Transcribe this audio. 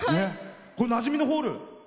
なじみのホール。